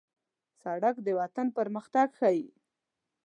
سړک د وطن پرمختګ ښيي.